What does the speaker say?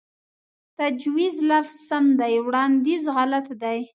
تجويز لفظ سم دے وړانديز غلط دے